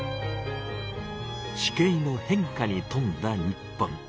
地形の変化にとんだ日本。